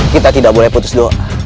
kita tidak boleh putus doa